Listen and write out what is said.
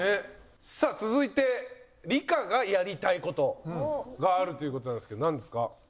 さあ続いて梨加がやりたい事があるということなんですけど何ですか？